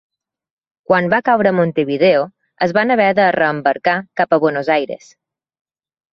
Quan va caure Montevideo es van haver de reembarcar cap a Buenos Aires.